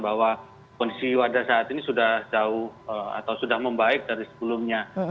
bahwa kondisi wadah saat ini sudah jauh atau sudah membaik dari sebelumnya